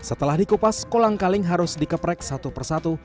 setelah dikupas kolang kaling harus dikeprek satu persatu